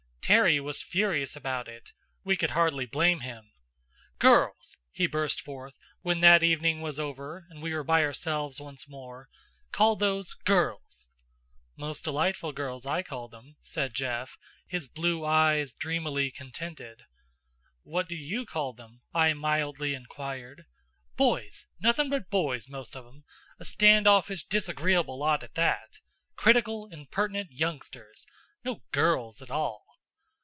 Terry was furious about it. We could hardly blame him. "Girls!" he burst forth, when that evening was over and we were by ourselves once more. "Call those girls!" "Most delightful girls, I call them," said Jeff, his blue eyes dreamily contented. "What do you call them?" I mildly inquired. "Boys! Nothing but boys, most of 'em. A standoffish, disagreeable lot at that. Critical, impertinent youngsters. No girls at all."